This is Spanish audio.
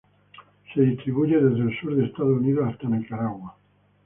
Se distribuye desde el sur de Estados Unidos hasta Nicaragua.